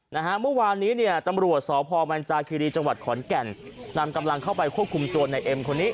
นะฮะเมื่อวานนี้เนี่ยตำรวจสพมันจาคิรีจังหวัดขอนแก่นนำกำลังเข้าไปควบคุมตัวในเอ็มคนนี้